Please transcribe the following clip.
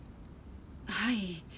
はい。